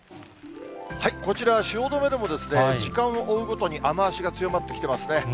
こちら、汐留でも、時間を追うごとに雨足が強まってきてますね。